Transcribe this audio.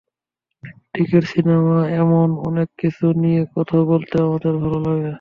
Cricket, cinema এমন অনেক কিছু নিয়ে কথা বলতে আমাদের ভালো লাগে।